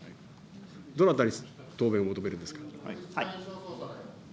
どなたに答弁を求めるんですか。